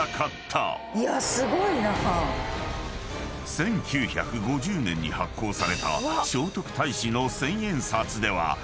［１９５０年に発行された聖徳太子の千円札では］